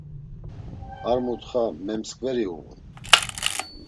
Ar mutxa memsǩveri uğun.